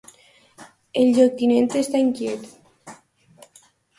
El lloctinent està inquiet.